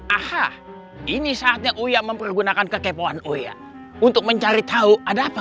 aha ini saatnya uyam mempergunakan kekepoan uya untuk mencari tahu ada apa